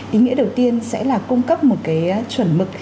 ý nghĩa đầu tiên sẽ là cung cấp một cái chuẩn mực